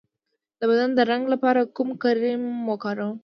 د بدن د رنګ لپاره کوم کریم وکاروم؟